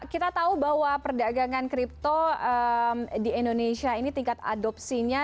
kita tahu bahwa perdagangan kripto di indonesia ini tingkat adopsinya